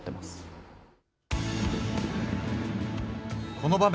この場面。